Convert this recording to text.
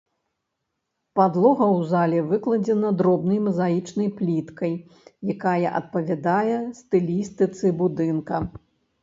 Падлога ў зале выкладзена дробнай мазаічнай пліткай, якая адпавядае стылістыцы будынка.